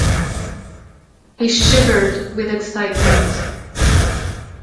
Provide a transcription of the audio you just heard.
He shivered with excitement.